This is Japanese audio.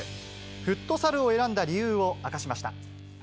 フットサルを選んだ理由を明かしました。